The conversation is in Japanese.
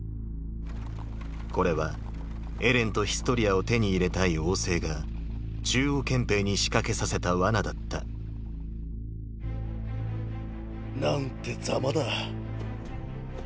これはエレンとヒストリアを手に入れたい王政が中央憲兵に仕掛けさせた罠だった何ってザマだ。